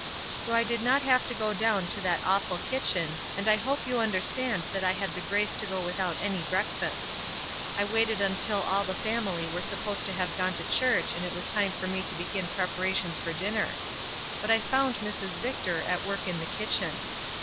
So I did not have to go down to that awful kitchen, and I hope you understand that I had the grace to go without my breakfast. I waited until all the family were supposed to have gone to church and it was time for me to begin preparations for dinner. But I found Mrs. Victor at work in the kitchen.